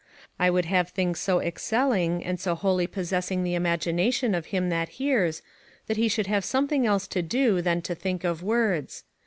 I would have things so excelling, and so wholly possessing the imagination of him that hears, that he should have something else to do, than to think of words.